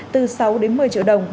từ sáu đến một mươi triệu đồng